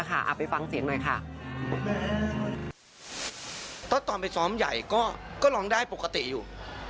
เขาก็ตอนไปส้อมใหญ่ก็ร้องได้ปกติอยู่